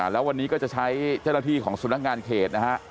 แล้ววันนี้ก็จะใช้เจ้าหน้าที่ของสำนักงานเขตนะฮะ